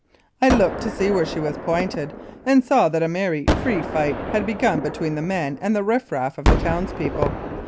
" I looked to where she pointed, and saw that a merry free fight had begun between the men and the riff raff of the townspeople.